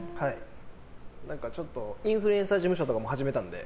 ちょっとインフルエンサー事務所とかも始めたので。